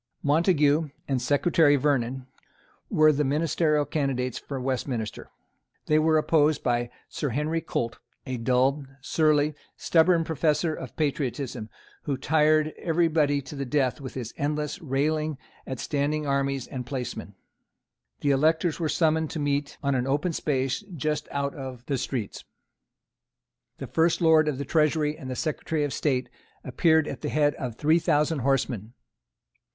Montague and Secretary Vernon were the ministerial candidates for Westminster. They were opposed by Sir Henry Colt, a dull, surly, stubborn professor of patriotism, who tired everybody to death with his endless railing at standing armies and placemen. The electors were summoned to meet on an open space just out of the streets. The first Lord of the Treasury and the Secretary of State appeared at the head of three thousand horsemen.